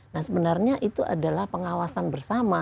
nah sebenarnya itu adalah pengawasan bersama